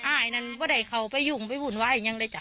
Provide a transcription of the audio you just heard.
อ้ายนั้นไม่ได้เขาไปยุ่งไปบุญไว้อย่างนี้จ้ะ